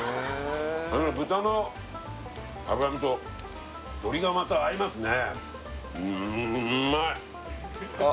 あの豚の脂身と鶏がまた合いますねうーんっ